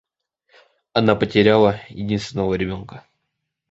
Она потеряла единственного ребенка.